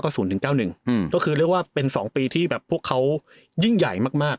ก็คือเรียกว่าเป็น๒ปีที่แบบพวกเขายิ่งใหญ่มาก